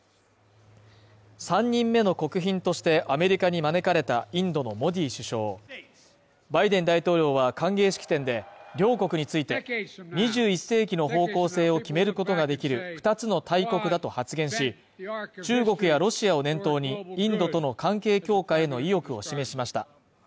３人目の国賓としてアメリカに招かれたインドのモディ首相バイデン大統領は歓迎式典で、両国について、２１世紀の方向性を決めることができる２つの大国だと発言し、中国やロシアを念頭にインドとの関係強化への意欲を示しました。